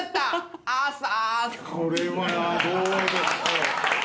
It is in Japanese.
これはどうでしょう？